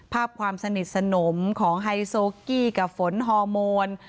ความสนิทสนมของไฮโซกี้กับฝนฮอร์โมน